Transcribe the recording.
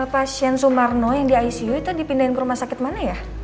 pasien sumarno yang di icu itu dipindahin ke rumah sakit mana ya